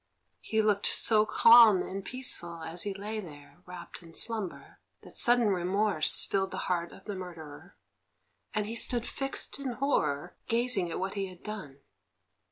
He looked so calm and peaceful as he lay there wrapt in slumber that sudden remorse filled the heart of the murderer, and he stood fixed in horror, gazing at what he had done.